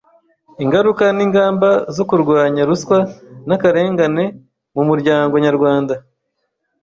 ingaruka n’ingamba zo kurwanya ruswa n’akarengane mu muryango nyarwanda